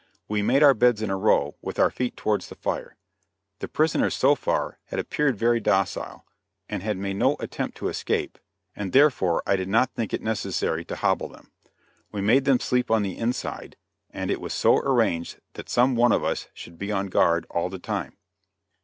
We made our beds in a row, with our feet towards the fire. The prisoners so far had appeared very docile, and had made no attempt to escape, and therefore I did not think it necessary to hobble them. We made them sleep on the inside, and it was so arranged that some one of us should be on guard all the time.